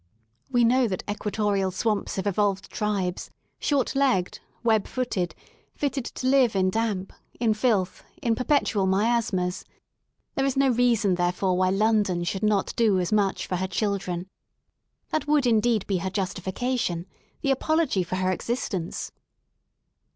We know that equatorial swamps have evolved tribes, short legged, web footed, fitted to live in damp, in filth, in perpetual miasmas. There is no reason therefore why London should not do as much for her children. That would indeed be her justification, the apology for her existence.